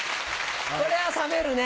これは冷めるね！